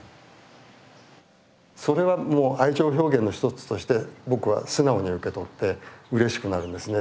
それは愛情表現の一つとして僕は素直に受け取ってうれしくなるんですね。